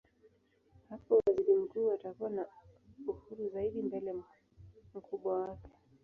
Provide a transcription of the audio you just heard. Hapo waziri mkuu atakuwa na uhuru zaidi mbele mkubwa wake.